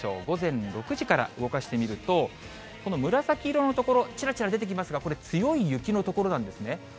午前６時から動かしてみると、この紫色の所、ちらちら出てきますが、これ、強い雪の所なんですね。